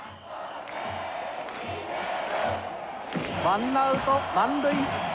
ワンアウト満塁！